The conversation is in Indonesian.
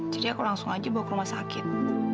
jadi aku langsung aja bawa ke rumah sakit